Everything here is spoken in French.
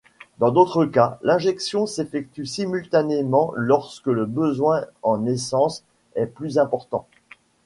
Dans d'autres cas, l'injection s'effectue simultanément lorsque le besoin en essence est plus important.